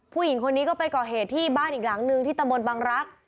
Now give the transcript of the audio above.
ผู้หญิงคนนี้ก็ไปก่อเหตุที่บ้านอีกหลังนึงที่ตำบลบังรักษ์